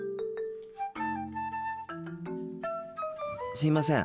すいません。